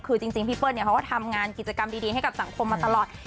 คือจริงพี่เปิ้ลเขาก็ทำงานกิจกรรมดีให้กับสังคมมาตลอด